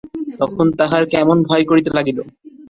তখন তাহার কেমন ভয় করিতে লাগিল।